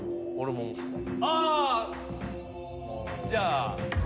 あじゃあ。